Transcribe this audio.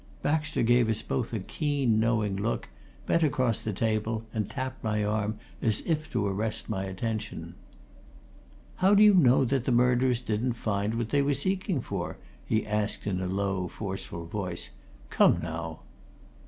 Baxter gave us both a keen, knowing look, bent across the table, and tapped my arm as if to arrest my closer attention. "How do you know that the murderers didn't find what they were seeking for?" he asked in a low, forceful voice. "Come, now!"